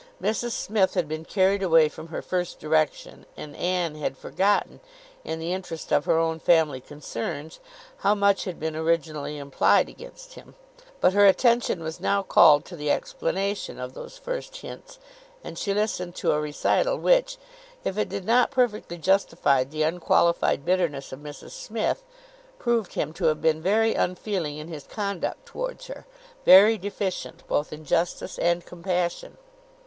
Mrs Smith had been carried away from her first direction, and Anne had forgotten, in the interest of her own family concerns, how much had been originally implied against him; but her attention was now called to the explanation of those first hints, and she listened to a recital which, if it did not perfectly justify the unqualified bitterness of Mrs Smith, proved him to have been very unfeeling in his conduct towards her; very deficient both in justice and compassion.